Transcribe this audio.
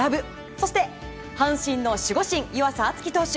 そして、阪神の守護神湯浅京己投手。